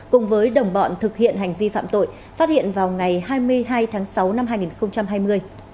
cùng với đồng bọn thực hiện hành vi phạm tội phát hiện vào ngày hai mươi hai tháng sáu năm hai nghìn hai mươi